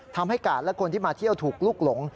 กาดและคนที่มาเที่ยวถูกลุกหลง